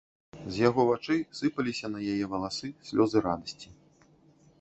А з яго вачэй сыпаліся на яе валасы слёзы радасці.